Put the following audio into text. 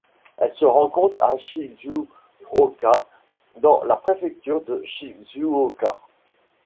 Elle se rencontre à Shizuoka dans la préfecture de Shizuoka.